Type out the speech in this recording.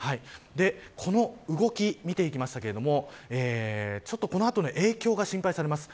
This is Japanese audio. この動き、見ていきますけどちょっとこの後の影響が心配されます。